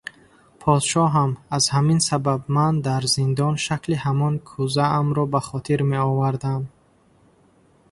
Подшоҳам, аз ҳамин сабаб ман дар зиндон шакли ҳамон кӯзаамро ба хотир меовардам.